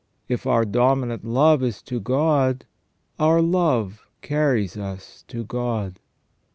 If our dominant love is to God, our love carries us to God.